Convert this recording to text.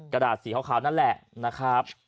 กระดาษสีขาวนั่นแหละนะครับ